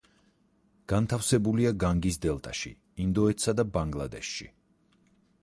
განთავსებულია განგის დელტაში ინდოეთსა და ბანგლადეშში.